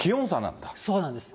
そうなんです。